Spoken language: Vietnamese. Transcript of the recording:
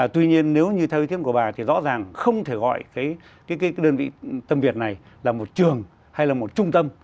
tuy nhiên nếu như theo ý kiến của bà thì rõ ràng không thể gọi cái đơn vị tâm việt này là một trường hay là một trung tâm